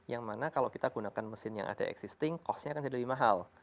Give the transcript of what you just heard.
yang mana kalau kita gunakan mesin yang ada existing cost nya akan jadi lebih mahal